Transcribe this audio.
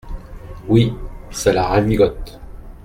Oui, ça la ravigote.